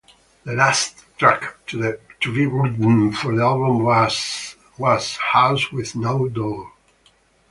The last track to be written for the album was "House with No Door".